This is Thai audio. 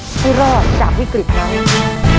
ที่รอดจากวิกฤตไหม